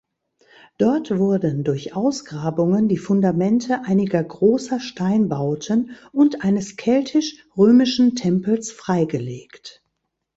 Dort wurden durch Ausgrabungen die Fundamente einiger großer Steinbauten und eines keltisch-römischen Tempels freigelegt.